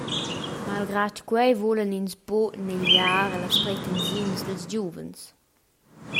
Malgrad quei vulan ins buca negligir las pretensiuns dils giuvens.